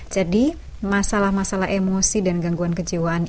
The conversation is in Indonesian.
jadi masalah masalah emosi dan gangguan kejiwaan